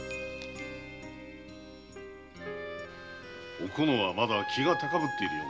おこのはまだ気が高ぶっているゆえ